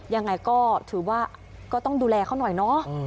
ยังไงก็ถือว่าก็ต้องดูแลเขาหน่อยเนาะ